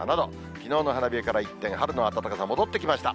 きのうの花冷えから一転、春の暖かさ、戻ってきました。